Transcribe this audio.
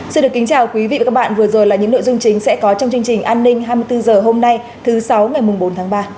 xin được kính chào quý vị và các bạn vừa rồi là những nội dung chính sẽ có trong chương trình an ninh hai mươi bốn h hôm nay thứ sáu ngày bốn tháng ba